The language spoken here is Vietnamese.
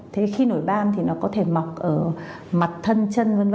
thế khi nổi ban thì nó có thể mọc ở mặt thân chân v v